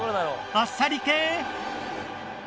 あっさり系？